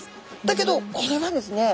だけどこれはですね